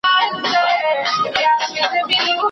راغی چي په خوب کي مي لیدلی وو زلمی پښتون